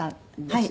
はい。